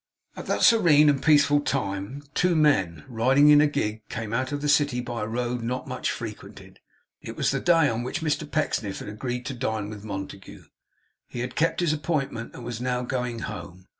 At that serene and peaceful time two men, riding in a gig, came out of the city by a road not much frequented. It was the day on which Mr Pecksniff had agreed to dine with Montague. He had kept his appointment, and was now going home.